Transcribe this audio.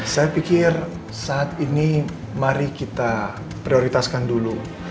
saya pikir saat ini mari kita prioritaskan dulu